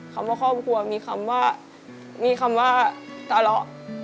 คำว่าครอบครัวมีคำว่ามีคำว่าตาเลาะ